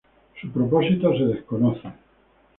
Su propósito se desconoce.